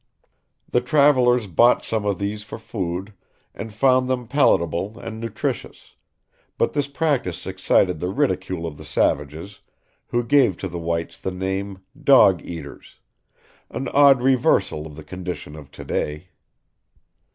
The travelers bought some of these for food, and found them palatable and nutritious; but this practice excited the ridicule of the savages, who gave to the whites the name Dog Eaters, an odd reversal of the condition of to day.